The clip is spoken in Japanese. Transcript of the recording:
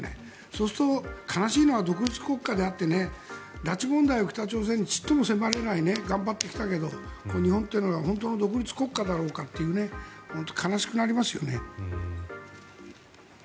そうすると悲しいのは独立国家であって拉致問題を北朝鮮にちっとも迫れない頑張ってきたけれど日本というのが本当の独立国家だろうかと悲しくなりますよね。